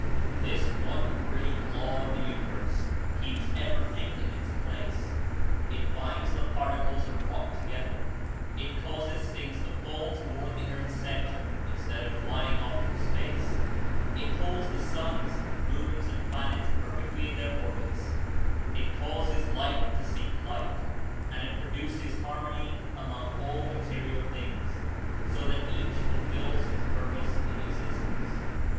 This one great law of the universe keeps ever)thing in its place. It binds the particles of rock together; it causes things to fall toward the earth's center in stead of flying off into space; it holds the suns, moons and planets perfectly in their orbits; it causes like to seek like, and it produces harmony among all material things, so that each fulfils its purpose in existence.